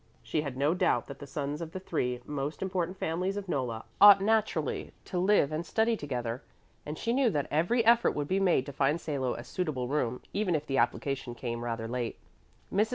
She had no doubt that the sons of the three most important families of Nolla ought naturally to live and study together, and she knew that every effort would be made to find Salo a suitable room, even if the application came rather late. Mrs.